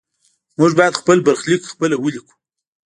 موږ باید خپل برخلیک خپله ولیکو.